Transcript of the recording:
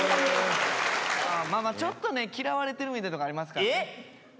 ちょっとね嫌われてるみたいなとこありますからえっ？